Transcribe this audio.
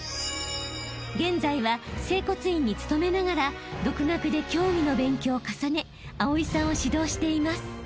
［現在は整骨院に勤めながら独学で競技の勉強を重ね葵さんを指導しています］